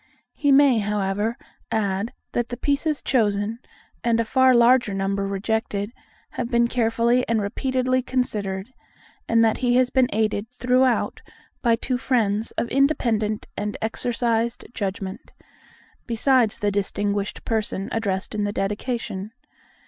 He may, however, add that the pieces chosen, and a far larger number rejected, have been carefully and repeatedly considered; and that he has been aided throughout by two friends of independent and exercised judgment, besides the distinguished person addressed in the Dedication.